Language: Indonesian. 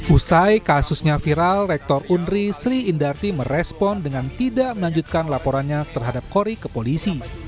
usai kasusnya viral rektor unri sri indarti merespon dengan tidak melanjutkan laporannya terhadap kori ke polisi